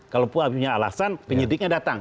kalau punya alasan penyidiknya datang